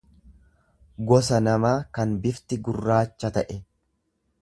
gosa namaa kan bifti gurraacha ta'e.